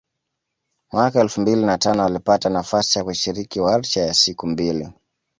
Mwaka elfu mbili na tano alipata nafasi ya kushiriki warsha ya siku mbili